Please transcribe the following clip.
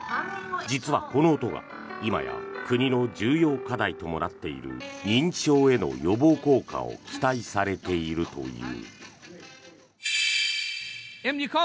実はこの音が今や国の重要課題ともなっている認知症への予防効果を期待されているという。